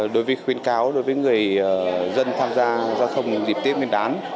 đối với khuyến cáo đối với người dân tham gia giao thông dịp tết nguyên đán